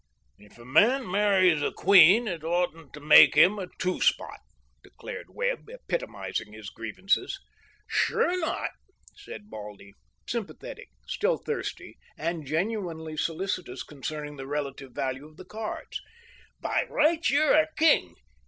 "If a man marries a queen, it oughtn't to make him a two spot," declared Webb, epitomising his grievances. "Sure not," said Baldy, sympathetic, still thirsty, and genuinely solicitous concerning the relative value of the cards. "By rights you're a king.